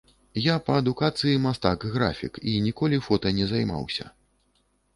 Я па адукацыі мастак-графік і ніколі фота не займаўся.